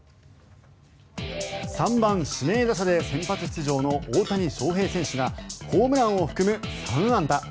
３番指名打者で先発出場の大谷翔平選手がホームランを含む３安打。